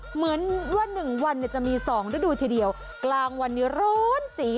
เหมือนว่า๑วันเนี่ยจะมี๒ฤดูทีเดียวกลางวันนี้ร้อนจี